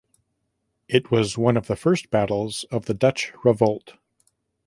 It was one of the first battles of the Dutch Revolt.